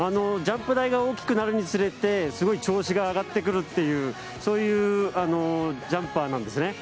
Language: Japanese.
ジャンプ台が大きくなるにつれてすごい調子が上がってくるというそういうジャンパーなんです。